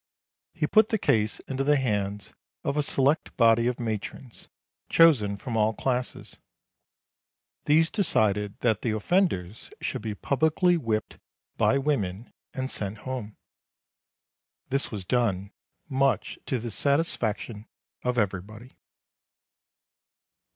He put the case into the hands of a select body of matrons, chosen from all classes. These decided that the offenders should be publicly whipped by women, and sent home. This was done, much to the satisfaction of everybody.